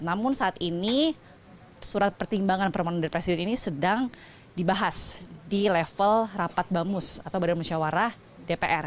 namun saat ini surat pertimbangan permohonan dari presiden ini sedang dibahas di level rapat bamus atau badan musyawarah dpr